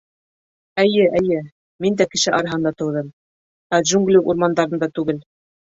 Эйе-эйе, мин дә кеше араһында тыуҙым, ә джунгли урмандарында түгел.